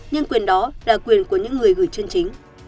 nhưng quyền đó là quyền của những người gửi chân trí